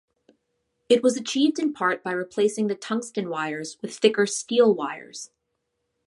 It was achieved in part by replacing the tungsten wires with thicker steel wires.